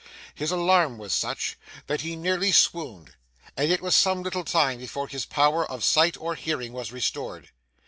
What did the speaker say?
His alarm was such that he nearly swooned, and it was some little time before his power of sight or hearing was restored.